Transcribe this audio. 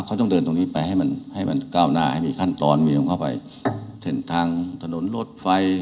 เขาต้องเดินตรงนี้ไปให้มันก้าวหน้ามีขั้นกล่อนลงเข้าไปเส่นทางถนนรถไฟ